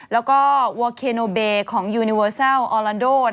แล้วก็วอร์เคโนเบของยูนิเวอร์ซัลออลลานโด